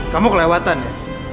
kamu kelewatan ya